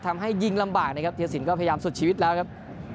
ทำให้ยิงลำบากนะครับเทียสินก็พยายามสุดชีวิตแล้วครับ